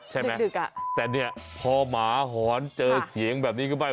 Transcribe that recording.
ใช่ไหมแต่เนี่ยพอหมาหอนเจอเสียงแบบนี้ขึ้นไป